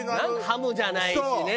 ハムじゃないしね。